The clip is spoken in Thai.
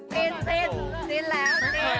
จิ้นจิ้นจิ้นแล้ว